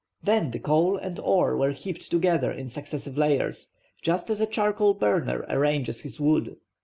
Then the coal and ore were heaped together in successive layers—just as a charcoal burner arranges his wood.